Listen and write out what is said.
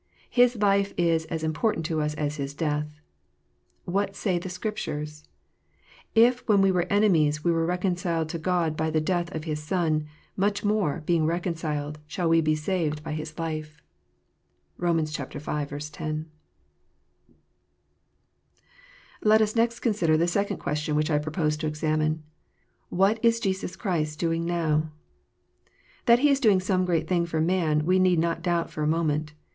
His life is as important to us as His death. What saith the Scripture 1 " If, when we were enemies, we were reconciled to God by the death of His Son, much more, being reconciled, we shall be saved by His life." (Rom. v. 10.) II. Let us next consider the second question which I propose to examine : What is Jesus Christ doing now ? That He is doing some great thing for man w r e need not doubt for a moment.